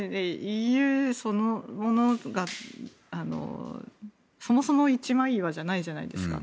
ＥＵそのものが、そもそも一枚岩じゃないじゃないですか。